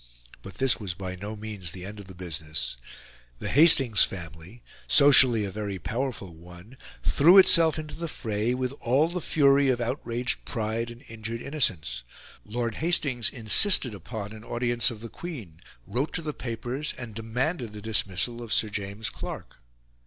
But this was by no means the end of the business. The Hastings family, socially a very powerful one, threw itself into the fray with all the fury of outraged pride and injured innocence; Lord Hastings insisted upon an audience of the Queen, wrote to the papers, and demanded the dismissal of Sir James Clark.